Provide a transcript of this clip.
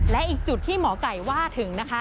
และอีกจุดที่หมอไก่ว่าถึงนะคะ